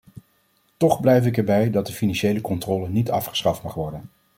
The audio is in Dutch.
Toch blijf ik erbij dat de financiële controle niet afgeschaft mag worden.